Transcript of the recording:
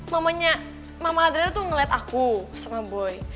mamanya mama adril tuh ngeliat aku sama boy